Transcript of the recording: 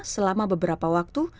selama beberapa waktu